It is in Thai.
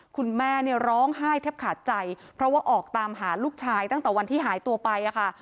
คุณแม่เนี่ยร้องไห้แทบขาดใจเพราะว่าออกตามหาลูกชายตั้งแต่วันที่หายตัวไปค่ะ